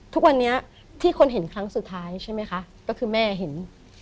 ทุกวันนี้ที่คนเห็นครั้งสุดท้ายใช่ไหมคะก็คือแม่เห็น